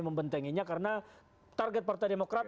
membentenginya karena target partai demokrat